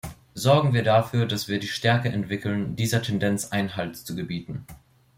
Sorgen wir dafür, dass wir die Stärke entwickeln, dieser Tendenz Einhalt zu gebieten.